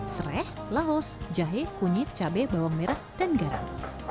sereh lahos jahe kunyit cabai bawang merah dan garam